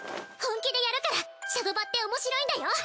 本気でやるからシャドバっておもしろいんだよ。